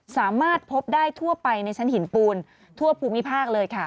สามารถพบได้ทั่วไปในชั้นหินปูนทั่วภูมิภาคเลยค่ะ